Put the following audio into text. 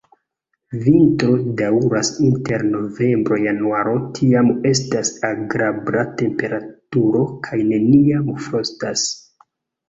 Vintro daŭras inter novembro-januaro, tiam estas agrabla temperaturo kaj neniam frostas.